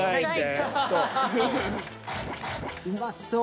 うまそう。